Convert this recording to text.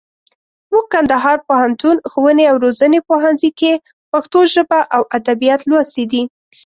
موږ کندهار پوهنتون، ښووني او روزني پوهنځي کښي پښتو ژبه او اودبيات لوستي دي.